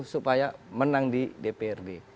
supaya menang di dprd